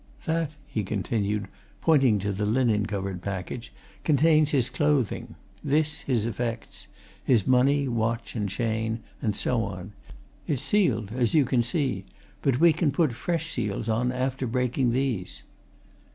"That," he continued, pointing to the linen covered package, "contains his clothing; this, his effects: his money, watch and chain, and so on. It's sealed, as you see, but we can put fresh seals on after breaking these."